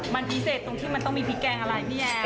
มันพิเศษตรงที่มันต้องมีพริกแกงอะไรพี่แอน